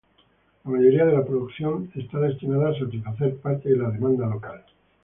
La mayoría de la producción es destinada a satisfacer parte de la demanda local.